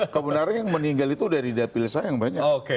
kebenaran yang meninggal itu dari dapil saya yang banyak